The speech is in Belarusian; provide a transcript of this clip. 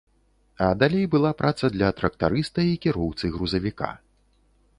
А далей была праца для трактарыста і кіроўцы грузавіка.